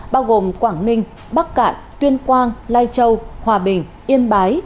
bao gồm quảng ninh bắc cạn tuyên quang lai châu hòa bình yên bái